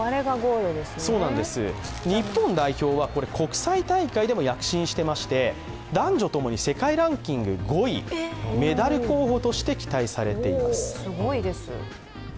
日本代表は国際大会でも躍進していまして、男女ともに世界ランキング５位、メダル候補として期待されています。